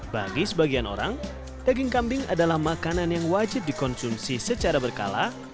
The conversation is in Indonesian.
bagi sebagian orang daging kambing adalah makanan yang wajib dikonsumsi secara berkala